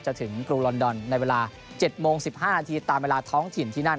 ถึงกรุงลอนดอนในเวลา๗โมง๑๕นาทีตามเวลาท้องถิ่นที่นั่น